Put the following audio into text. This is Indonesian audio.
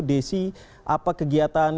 desi apa kegiatan